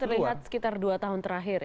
dan itu terlihat sekitar dua tahun terakhir ya